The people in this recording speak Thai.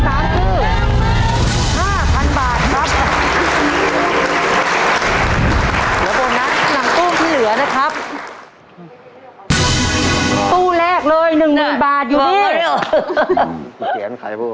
แล้วโปรนัสข้างหลังตู้ที่เหลือนะครับตู้แรกเลยหนึ่งหมื่นบาทอยู่ที่